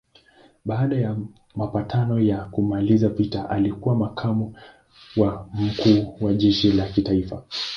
Baada ya mapatano ya kumaliza vita alikuwa makamu wa mkuu wa jeshi la kitaifa.